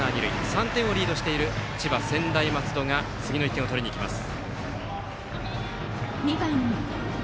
３点をリードしている千葉・専大松戸が次の１点を取りにきます。